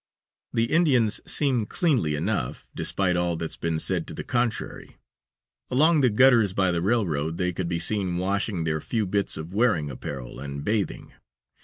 The Indians seem cleanly enough, despite all that's been said to the contrary. Along the gutters by the railroad, they could be seen washing their few bits of wearing apparel, and bathing.